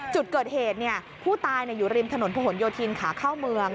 จุดเกิดเหตุผู้ตายอยู่ริมถนนผนโยธินขาเข้าเมือง